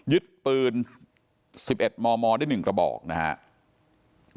ยึดปืน๑๑มมได้๑กระบอกนะครับ